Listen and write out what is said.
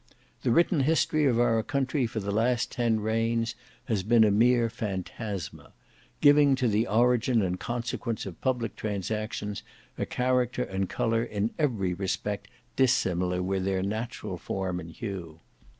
The written history of our country for the last ten reigns has been a mere phantasma; giving to the origin and consequence of public transactions a character and colour in every respect dissimilar with their natural form and hue.